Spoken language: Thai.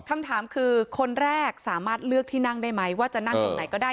คำถามคือคนแรกสามารถเลือกที่นั่งได้ไหมว่าจะนั่งตรงไหนก็ได้